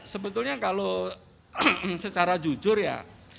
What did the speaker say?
sebetulnya kalau secara jujur ya